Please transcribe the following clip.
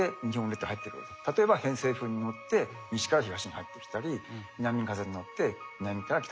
例えば偏西風に乗って西から東に入ってきたり南風に乗って南から北に入ってきたりしますね。